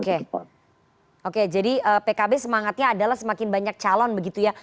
oke oke jadi pkb semangatnya adalah semakin banyak calon begitu ya